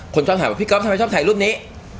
คนชอบถามว่าพี่ก๊อฟทำไมชอบถ่ายรูปนี้